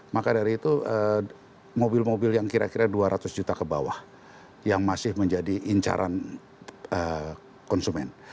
maka dari itu mobil mobil yang kira kira dua ratus juta ke bawah yang masih menjadi incaran konsumen